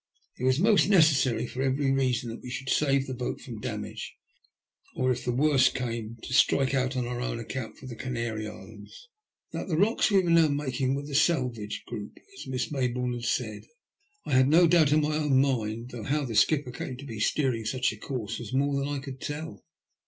It| was most necessary for every reason that we should save the boat from damage, for by her aid alone could we hope to make our way out to passing ships, or, if the worst came, to strike out on our own account for the Canary Islands. That the rocks we were now making were the Salvage Group, as Miss Mayboume had said, I had no doubt in my own mind, though how the skipper came to be steering such a course was more than I could tell.